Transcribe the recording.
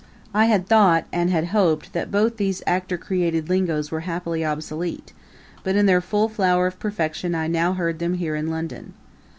I had thought and had hoped that both these actor created lingoes were happily obsolete; but in their full flower of perfection I now heard them here in London.